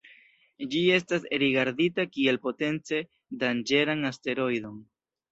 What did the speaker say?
Ĝi estas rigardita kiel potence danĝeran asteroidon.